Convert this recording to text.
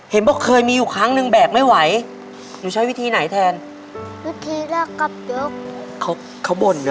เห็นบอกเคยมีอีกครั้งดึงแบกไม่ไหวหนูชอบวิธีไหนแทน